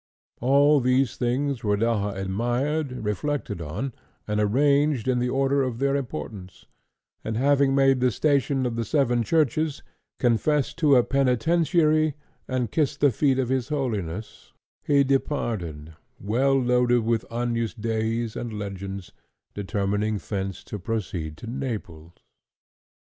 All these things Rodaja admired, reflected on, and arranged in the order of their importance; and having made the station of the Seven Churches, confessed to a Penitentiary, and kissed the feet of his Holiness, he departed, well loaded with Agnus Deis and legends, determining thence to proceed to Naples.